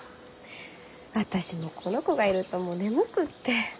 私もこの子がいるともう眠くって。